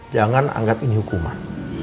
jangan anggap ini hukuman